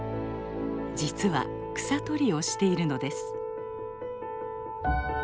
実は草取りをしているのです。